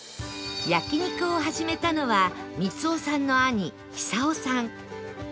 焼肉を始めたのは光雄さんの兄久夫さん